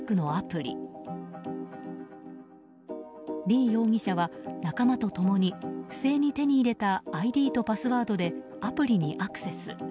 リ容疑者は仲間と共に不正に手に入れたＩＤとパスワードでアプリにアクセス。